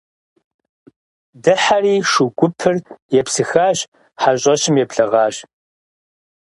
Дыхьэри шу гупыр епсыхащ, хьэщӀэщым еблэгъащ.